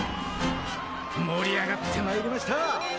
盛り上がってまいりました！